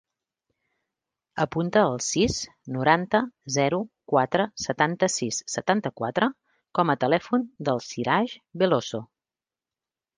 Apunta el sis, noranta, zero, quatre, setanta-sis, setanta-quatre com a telèfon del Siraj Veloso.